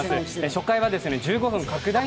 初回は１５分拡大